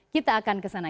kita akan kesana